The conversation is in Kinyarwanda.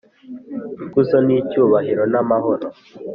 Ikuzo n icyubahiro n amahoro